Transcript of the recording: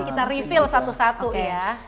kan kita reveal satu satu ya